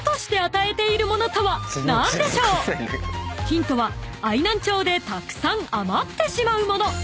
［ヒントは愛南町でたくさん余ってしまうもの］